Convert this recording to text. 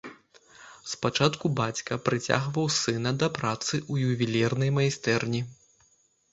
Спачатку бацька прыцягваў сына да працы ў ювелірнай майстэрні.